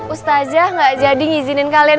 ustazah gak jadi ngizinin kalian